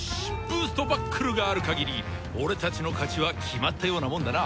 ブーストバックルがある限り俺たちの勝ちは決まったようなもんだな。